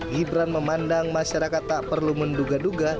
gibran memandang masyarakat tak perlu menduga duga